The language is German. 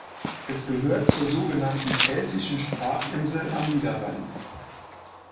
Es gehört zur sogenannten Pfälzischen Sprachinsel am Niederrhein.